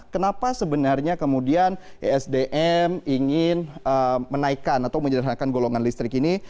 kenapa sebenarnya kemudian esdm ingin menaikkan atau menyederhanakan golongan listrik ini